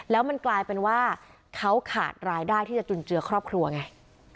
แล้วมันกลายเป็นว่าเขาขาดรายได้ที่จะจุนเจือครอบครัวไง